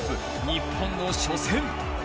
日本の初戦。